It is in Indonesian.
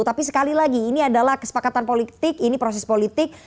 tapi sekali lagi ini adalah kesepakatan politik ini proses politik